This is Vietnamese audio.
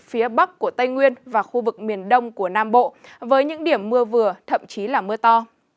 phía bắc của tây nguyên và khu vực miền đông của nam bộ với những điểm mưa vừa thậm chí là mưa to